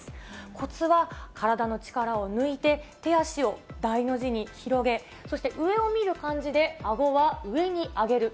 こつは体の力を抜いて、手足を大の字に広げ、そして、上を見る感じであごは上に上げる。